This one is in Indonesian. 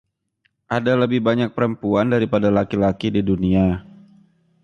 Ada lebih banyak perempuan daripada laki-laki di dunia.